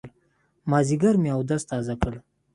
مازيګر مې اودس تازه کړ.